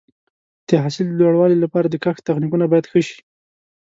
د حاصل د لوړوالي لپاره د کښت تخنیکونه باید ښه شي.